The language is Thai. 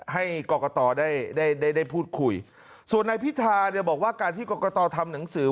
ให้กรกตได้ได้พูดคุยส่วนนายพิธาเนี่ยบอกว่าการที่กรกตทำหนังสือ